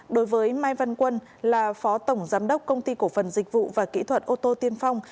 đối với mai văn quân là phó tổng giám đốc công ty cổ phần dịch vụ và kỹ thuật ô tô tiên phong